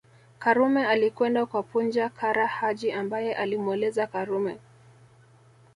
Karume alikwenda kwa Punja Kara Haji ambaye alimweleza Karume